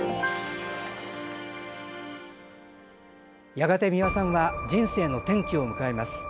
やがて、美輪さんは人生の転機を迎えます。